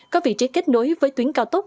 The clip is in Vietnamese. có vị trí kết nối với tuyến cao tốc